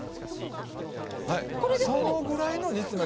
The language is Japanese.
はいそのぐらいの煮詰め